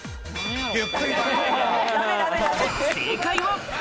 正解は。